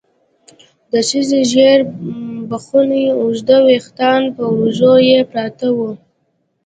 د ښځې ژېړ بخوني اوږده ويښتان پر اوږو يې پراته وو.